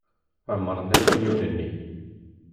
Ɛemmren akamyun-nni.